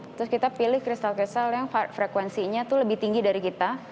terus kita pilih kristal kristal yang frekuensinya itu lebih tinggi dari kita